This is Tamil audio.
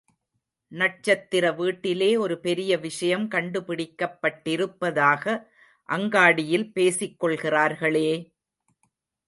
நட்சத்திர வீட்டிலே ஒரு பெரிய விஷயம் கண்டுபிடிக்கப்பட்டிருப்பதாக அங்காடியில் பேசிக்கொள்கிறார்களே!